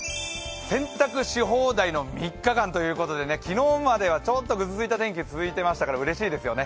洗濯し放題の３日間ということで昨日まではちょっとぐずついた天気が続いていましたから、うれしいですよね。